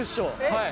はい。